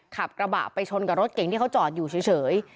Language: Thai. ขับกระบะไปชนกับรถเก่งที่เขาจอดอยู่เฉย